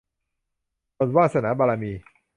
หมดวาสนาบารมี